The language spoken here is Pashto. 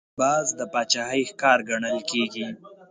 باز د باچاهۍ ښکار ګڼل کېږي